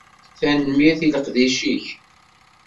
Tanemmirt i leqdic-ik.